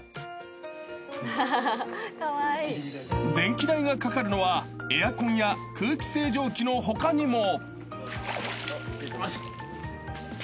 ［電気代がかかるのはエアコンや空気清浄機の他にも］